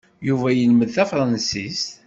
Yuba yelmed tafransist?